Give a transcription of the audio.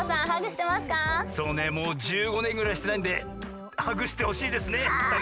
そうねもう１５ねんぐらいしてないんでハグしてほしいですねた